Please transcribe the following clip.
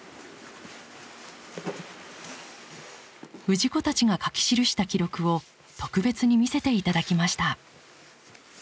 氏子たちが書き記した記録を特別に見せていただきました。